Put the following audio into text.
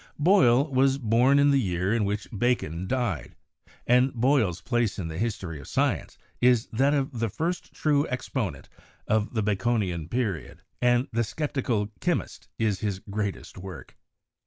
Boyle was born in the year in which Bacon died; and Boyle's place in the history of science is that of the first true exponent of the Baconian method, and the 'Sceptical Chymist' is his greatest work.